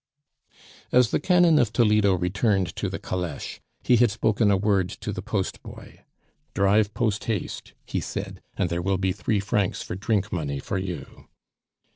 As the Canon of Toledo returned to the caleche, he had spoken a word to the post boy. "Drive post haste," he said, "and there will be three francs for drink money for you."